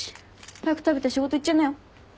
早く食べて仕事行っちゃいなよ。